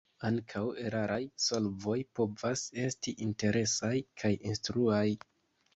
Ankaŭ eraraj solvoj povas esti interesaj kaj instruaj.